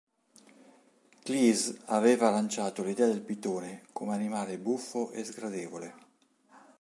Cleese aveva lanciato l'idea del pitone, come animale buffo e sgradevole.